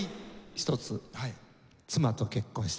一つ妻と結婚した。